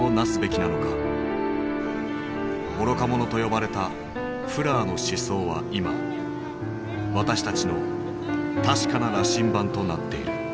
愚か者と呼ばれたフラーの思想は今私たちの確かな羅針盤となっている。